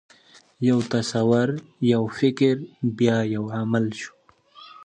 یو تصور، یو فکر، بیا یو عمل شو.